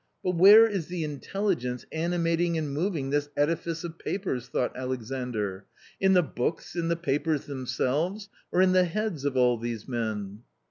But where is the intelli gence animating and moving this edifice of papers ?" thought Alexandr :" in the books, in the papers themselves or in the heads of these men